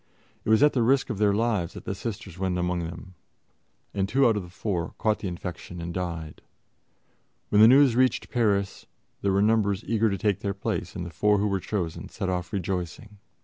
It was at the risk of their lives that the Sisters went among them, and two out of the four caught the infection and died. When the news reached Paris, there were numbers eager to take their place, and the four who were chosen set off rejoicing.